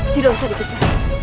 tidak usah dipecat